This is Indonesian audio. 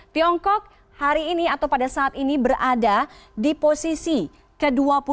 tiongkok hari ini atau pada saat ini berada di posisi ke dua puluh satu